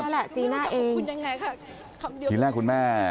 เพื่อนบ้านเจ้าหน้าที่อำรวจกู้ภัย